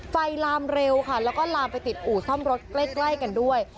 ลามเร็วค่ะแล้วก็ลามไปติดอู่ซ่อมรถใกล้ใกล้กันด้วย